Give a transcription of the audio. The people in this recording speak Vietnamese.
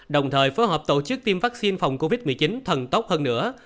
đồng thời phối hợp tổ chức tiêm vaccine phòng covid một mươi chín thần tốc hơn nữa